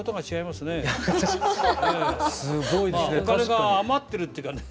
まあお金が余ってるっていうかね。